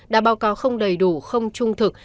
đã báo cáo không đầy đủ không trung thực